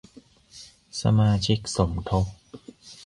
สมาชิกสมทบ